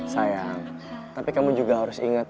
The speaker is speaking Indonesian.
sayang tapi kamu juga harus ingat